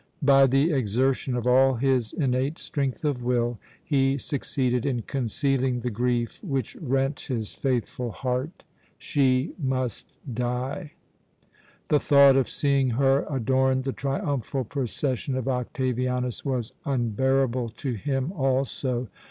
By the exertion of all his innate strength of will, he succeeded in concealing the grief which rent his faithful heart. She must die. The thought of seeing her adorn the triumphal procession of Octavianus was unbearable to him also.